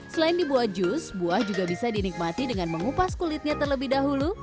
selain dibuat jus buah juga bisa dinikmati dengan mengupas kulitnya terlebih dahulu